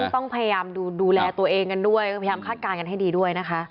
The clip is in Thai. ต้องพยายามดูแลตัวเองกันด้วยก็พยายามคาดการณ์กันให้ดีด้วยนะคะ